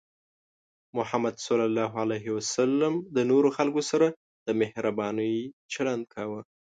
محمد صلى الله عليه وسلم د نورو خلکو سره د مهربانۍ چلند کاوه.